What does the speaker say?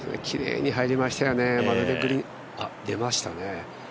きれいに入りましたよねあっ、出ましたね。